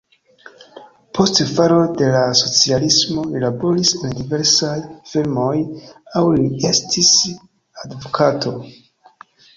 Post falo de la socialismo li laboris en diversaj firmaoj, aŭ li estis advokato.